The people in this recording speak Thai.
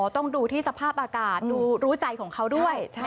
ต้องดูที่สภาพอากาศดูรู้ใจของเขาด้วย